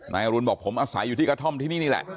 อรุณบอกผมอาศัยอยู่ที่กระท่อมที่นี่นี่แหละ